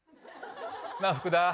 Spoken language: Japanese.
なあ、福田。